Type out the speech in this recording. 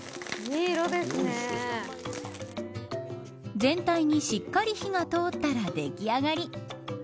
全体にしっかり火が通ったらでき上がり。